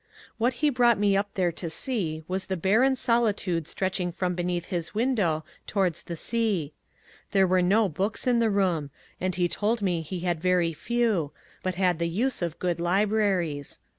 What he brought me up there to see was the barren soli tude stretching from beneath his window towards the sea. There were no books in the room, and he told me he had very few, but had the use of good libraries.